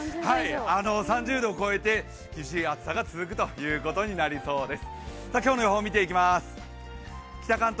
３０度を超えて、厳しい暑さが続くということになりそうです。